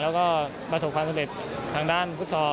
แล้วก็ประสบความสำเร็จทางด้านฟุตซอล